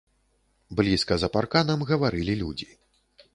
Блізка, за парканам, гаварылі людзі.